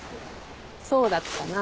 そうだったな。